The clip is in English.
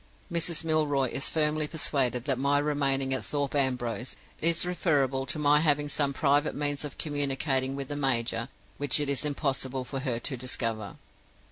Mrs. Milroy is firmly persuaded that my remaining at Thorpe Ambrose is referable to my having some private means of communicating with the major which it is impossible for her to discover.